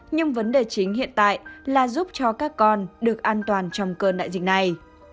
nhưng vấn đề chính hiện tại là giúp cho các con được an toàn trong cơn đại dịch này